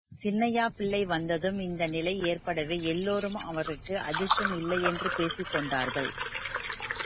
சின்னையா பிள்ளை வந்ததும் இந்த நிலை ஏற்படவே எல்லோரும் அவருக்கு அதிர்ஷ்டம் இல்லையென்று பேசிக் கொண்டார்கள்.